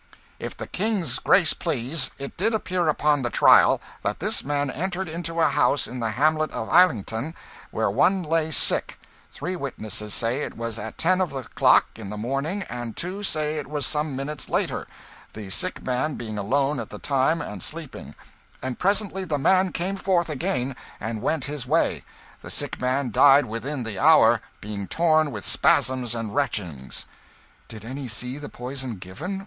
"If the King's grace please, it did appear upon the trial that this man entered into a house in the hamlet of Islington where one lay sick three witnesses say it was at ten of the clock in the morning, and two say it was some minutes later the sick man being alone at the time, and sleeping and presently the man came forth again and went his way. The sick man died within the hour, being torn with spasms and retchings." "Did any see the poison given?